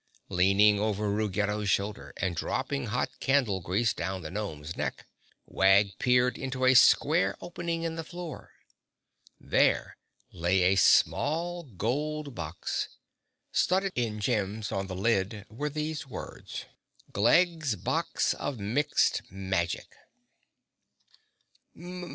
Leaning over Ruggedo's shoulder and dropping hot candle grease down the gnome's neck, Wag peered into a square opening in the floor. There lay a small gold box. Studded in gems on the lid were these words: Glegg's Box of Mixed Magic.